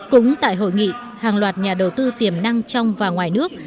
cũng tại hội nghị hàng loạt nhà đầu tư tiềm năng trong và ngoài nước